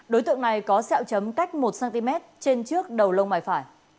đối tượng này có xẹo chấm cách một cm trên trước đầu lông bài phải